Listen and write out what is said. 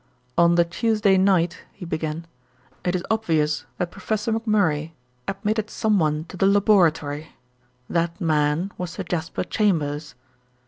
"On the Tuesday night," he began, "it is obvious that Professor McMurray admitted someone to the laboratory. That man was Sir Jasper Chambers.